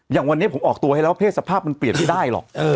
อย่างวันนี้ผมออกตัวให้แล้วว่าเพศสภาพมันเปลี่ยนไม่ได้หรอก